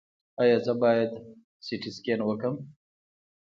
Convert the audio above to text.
ایا زه باید سټي سکن وکړم؟